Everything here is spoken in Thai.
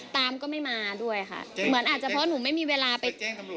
ตามก็ไม่มาด้วยค่ะเหมือนอาจจะเพราะว่าหนูไม่มีเวลาไป